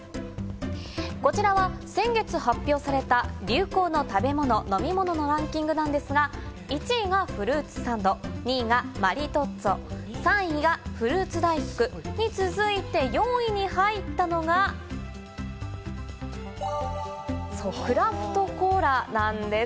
こちらは先月発表された流行の食べ物、飲み物のランキングなんですが、１位がフルーツサンド２位がマリトッツォ、３位がフルーツ大福に続いて、４位に入ったのが、そう、クラフトコーラなんです。